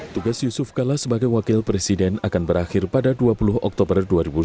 tugas yusuf kala sebagai wakil presiden akan berakhir pada dua puluh oktober dua ribu sembilan belas